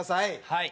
はい。